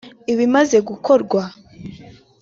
ibimaze gukorwa